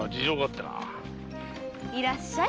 いらっしゃい。